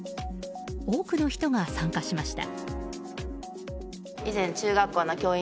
多くの人が参加しました。